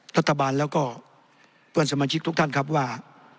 รัฐบาลแล้วก็เพื่อนสมาชิกทุกท่านครับว่า